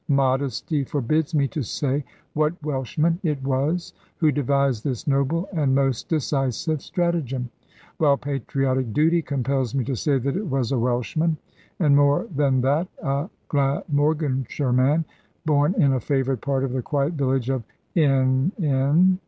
Modesty forbids me to say what Welshman it was who devised this noble and most decisive stratagem, while patriotic duty compels me to say that it was a Welshman, and more than that a Glamorganshire man, born in a favoured part of the quiet village of N N